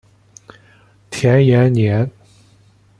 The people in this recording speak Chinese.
田延年。